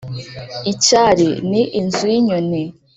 icyari: ni inzu y’inyoni